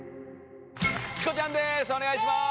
チコちゃんです